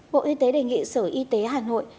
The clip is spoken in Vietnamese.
bộ y tế đề nghị sở y tế hà nội